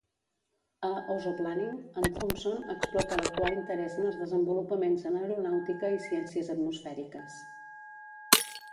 A "Ozoplaning", en Thompson explota l'actual interès en els desenvolupaments en aeronàutica i ciències atmosfèriques.